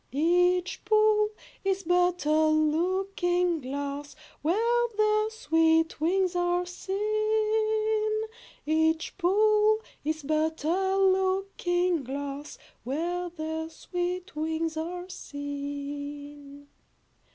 Each pool is but a looking glass, Where their sweet wings are seen. Each pool is but a looking glass, Where their sweet wings are seen.